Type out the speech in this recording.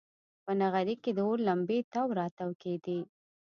په نغري کې د اور لمبې تاو راتاو کېدې.